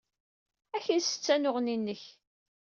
Ad ak-nessettu anneɣni-nnek.